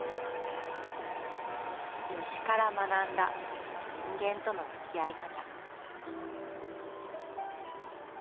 虫から学んだ人間とのつきあい方。